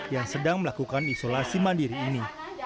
yang sedang melakukan isolasi mandiri ini